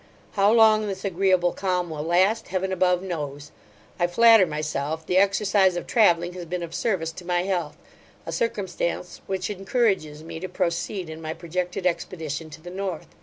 How long this agreeable calm will last, Heaven above knows I flatter myself, the exercise of travelling has been of service to my health; a circumstance which encourages me to proceed in my projected expedition to the North.